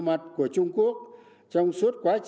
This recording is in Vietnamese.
mặt của trung quốc trong suốt quá trình